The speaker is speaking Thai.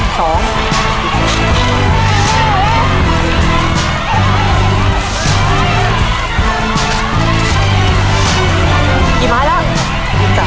โทษทีครับ